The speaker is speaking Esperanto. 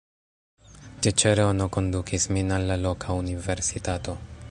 Ĉiĉerono kondukis min al la loka universitato.